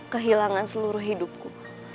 kehilangan seluruh hidupku